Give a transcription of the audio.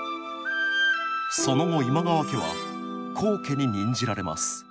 その後今川家は高家に任じられます。